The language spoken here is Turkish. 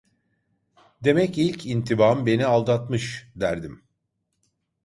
"Demek ilk intibam beni aldatmış!" derdim.